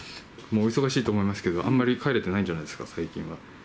お忙しいと思いますけれども、あんまり帰れてないんじゃないですか、最近は。